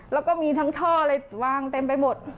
แล้วก็มีทั้งท่ออะไรวางเต็มไปหมด